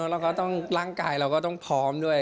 แล้วก็ร่างกายเราก็ต้องพร้อมด้วย